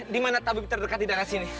dimana tabib terdekat di daerah sini